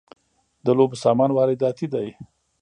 د لوبو سامان وارداتی دی